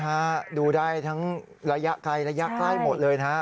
ฮะดูได้ทั้งระยะไกลระยะใกล้หมดเลยนะฮะ